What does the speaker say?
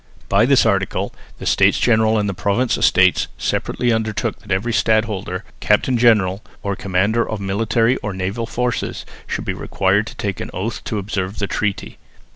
By this article the States General and the Provincial Estates separately undertook that every stadholder, captain general or commander of military or naval forces should be required to take an oath to observe the treaty.